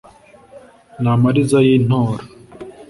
N’amariza y’i Ntora,